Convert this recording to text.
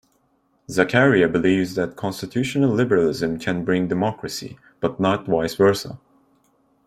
Zakaria believes that constitutional liberalism can bring democracy, but not vice versa.